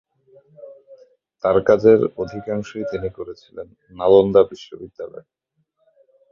তার কাজের অধিকাংশই তিনি করেছিলেন নালন্দা বিশ্ববিদ্যালয়ে।